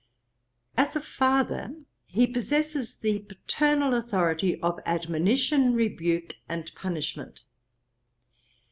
'As a father, he possesses the paternal authority of admonition, rebuke, and punishment.